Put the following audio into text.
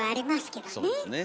そうですね。